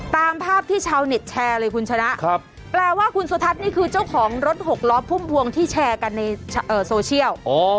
ตามภาพที่ชาวเน็ตแชร์เลยคุณชนะแปลว่าคุณสุทัศน์นี่คือเจ้าของรถหกล้อพุ่มพวงที่แชร์กันในโซเชียล